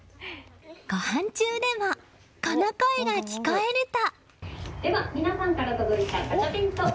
ごはん中でもこの声が聞こえると。